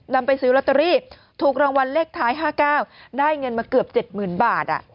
นำไปซื้อลอตเตอรี่ถูกรางวัลเลขท้าย๕๙ได้เงินมาเกือบ๗๐๐๐บาท